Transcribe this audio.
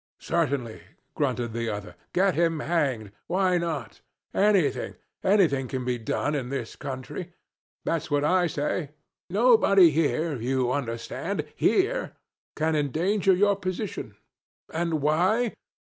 'Certainly,' grunted the other; 'get him hanged! Why not? Anything anything can be done in this country. That's what I say; nobody here, you understand, here, can endanger your position. And why?